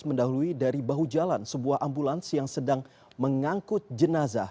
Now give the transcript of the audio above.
mendahului dari bahu jalan sebuah ambulans yang sedang mengangkut jenazah